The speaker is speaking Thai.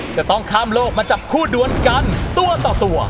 จะต้องข้ามโลกมาจับคู่ดวนกันตัวต่อตัว